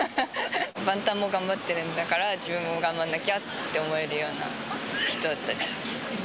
バンタンも頑張ってるんだから、自分も頑張んなきゃって思えるような人たちです。